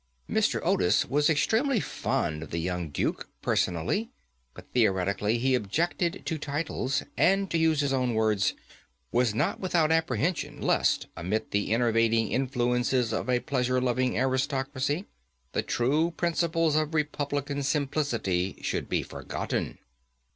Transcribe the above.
Mr. Otis was extremely fond of the young Duke personally, but, theoretically, he objected to titles, and, to use his own words, "was not without apprehension lest, amid the enervating influences of a pleasure loving aristocracy, the true principles of Republican simplicity should be forgotten."